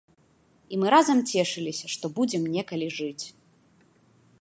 І мы разам цешыліся, што будзем некалі жыць.